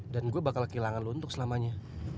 dan gue bakal kehilangan lo untuk selamanya